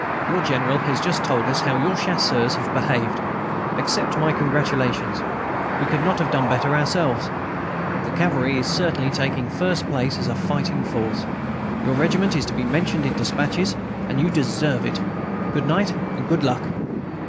Your General has just told us how your Chasseurs have behaved. Accept my congratulations. We could not have done better ourselves. The cavalry is certainly taking first place as a fighting force. Your regiment is to be mentioned in despatches, and you deserve it. Good night. Good luck!"